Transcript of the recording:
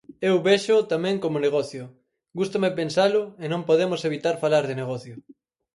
Eu véxoo tamén como negocio, gústame pensalo e non podemos evitar falar de negocio.